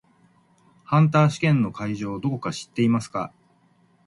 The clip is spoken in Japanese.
ハンター試験の会場どこか知っていますか？